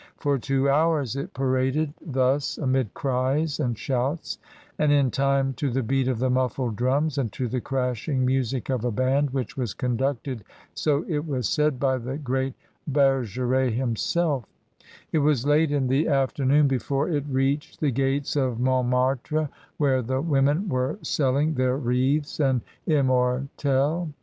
For two hours it paraded thus, amid cries and shouts, and in time to the beat of the muffled drums and to the crashing music of a band which was conducted, so it was said, by the great Bergeret himself It was late in the after noon before it reached the gates of Montmartre, where the women were selling their wreaths and immortelles.